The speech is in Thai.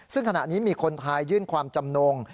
ซึ่งขณะนี้มีคนไทยยื่นความจำนง